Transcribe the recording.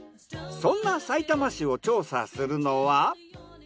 そんなさいたま市を調査するのは。